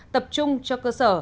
tập trung cho cơ sở